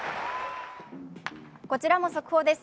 こちらも速報です。